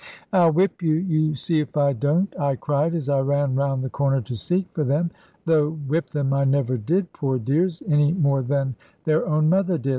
'I'll whip you, you see if I don't,' I cried, as I ran round the corner to seek for them; though whip them I never did, poor dears, any more than their own mother did.